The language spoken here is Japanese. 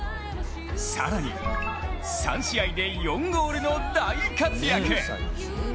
更に、３試合で４ゴールの大活躍。